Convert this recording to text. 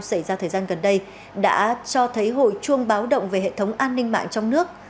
các doanh nghiệp gần đây đã cho thấy hội chuông báo động về hệ thống an ninh mạng trong nước